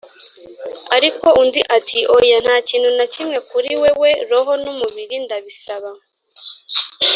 ariko undi ati “oya, nta kintu na kimwe kuri wewe; roho n'umubiri ndabisaba! ”